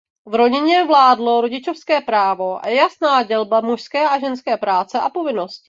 V rodině vládlo rodičovské právo a jasná dělba mužské a ženské práce a povinností.